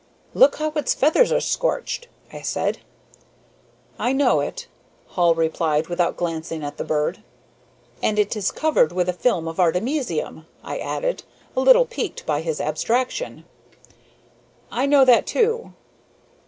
"Look how its feathers are scorched," I said. "I know it," Hall replied, without glancing at the bird. "And it is covered with a film of artemisium," I added, a little piqued by his abstraction. "I know that, too."